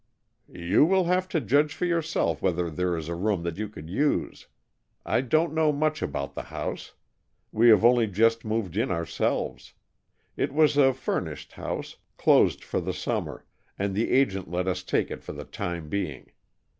"You will have to judge for yourself whether there is a room that you could use. I don't know much about the house. We have only just moved in ourselves. It was a furnished house, closed for the summer, and the agent let us take it for the time being.